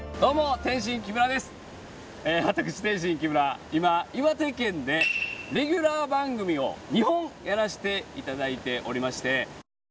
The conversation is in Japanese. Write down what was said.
私、天津・木村今岩手県でレギュラー番組を２本やらせていただいておりまして。